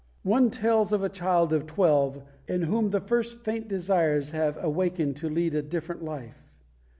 One tells of a child of twelve in whom the first faint desires have awakened to lead a different life.